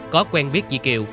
có quen biết chị kiều